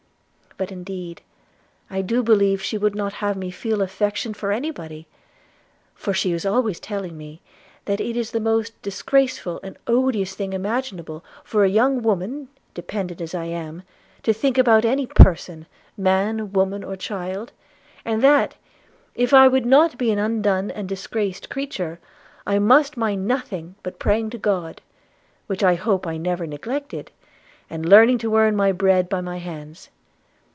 But indeed I do believe she would not have me feel affection for any body; for she is always telling me, that it is the most disgraceful and odious thing imaginable, for a young woman, dependent as I am, to think about any person, man, woman, or child; and that, if I would not be an undone and disgraced creature, I must mind nothing but praying to God, which I hope I never neglected, and learning to earn my bread by my hands.